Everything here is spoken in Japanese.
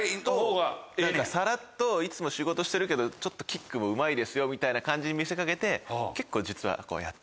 さらっといつも仕事してるけどちょっとキックもうまいですよみたいな感じに見せかけて。